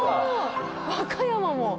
和歌山も。